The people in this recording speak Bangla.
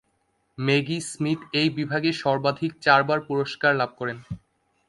ম্যাগি স্মিথ এই বিভাগে সর্বাধিক চারবার পুরস্কার লাভ করেন।